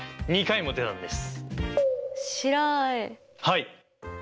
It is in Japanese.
はい！